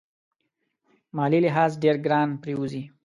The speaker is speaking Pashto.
مالي لحاظ ډېر ګران پرېوزي.